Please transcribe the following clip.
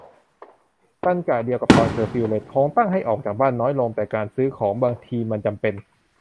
ตรรกะเดียวกับตอนเคอร์ฟิวเลย คงตั้งให้ออกจากบ้านน้อยลง แต่การซื้อของบางทีมันจำเป็น